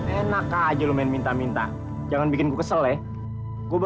enak aja kalau makan tuh bayar